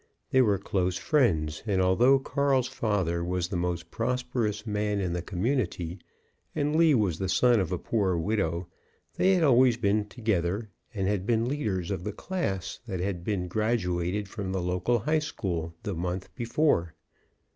They were close friends; and although Carl's father was the most prosperous man in the community, and Lee was the son of a poor widow, they had always been together, and had been leaders of the class that had been graduated from the local high school the month before.